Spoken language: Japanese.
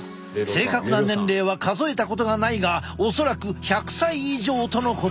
正確な年齢は数えたことがないが恐らく１００歳以上とのこと。